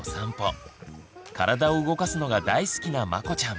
体を動かすのが大好きなまこちゃん。